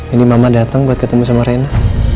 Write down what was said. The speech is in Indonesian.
ini mama datang buat ketemu sama rena